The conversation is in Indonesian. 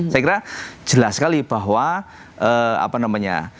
saya kira jelas sekali bahwa apa namanya